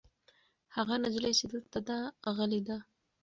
هغه نجلۍ چې دلته ده غلې ده.